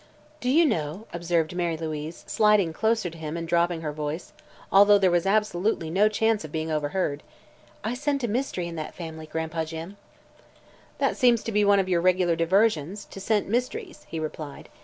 "Do you know," observed Mary Louise, sliding closer to him and dropping her voice, although there was absolutely no chance of being overheard, "I scent a mystery in that family, Gran'pa Jim!" "That seems to be one of your regular diversions to scent mysteries," he replied.